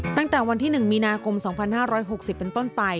ตั้งแต่วันที่๑มีนาคม๒๕๖๐เป็นต้นไป